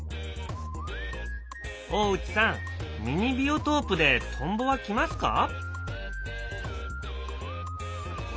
大内さんミニビオトープでトンボは来ますか？